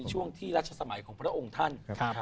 ช่วงที่รัชสมัยของพระองค์ท่าน